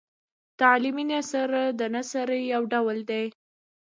تعلیمي نثر د نثر یو ډول دﺉ.